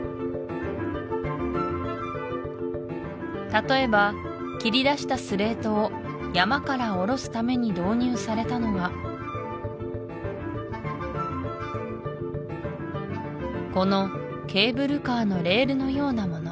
例えば切り出したスレートを山からおろすために導入されたのがこのケーブルカーのレールのようなもの